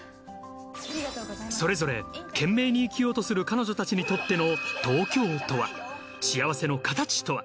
それぞれ懸命に生きようとする彼女たちにとっての。